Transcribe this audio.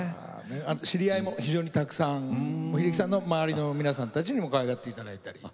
知り合いも非常にたくさん秀樹さんの周りの皆さんたちにもかわいがっていただいたり。